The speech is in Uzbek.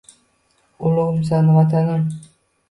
«Ulug‘imsan, Vatanim!»